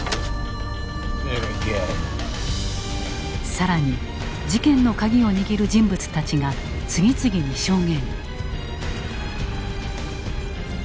更に事件の鍵を握る人物たちが次々に証言。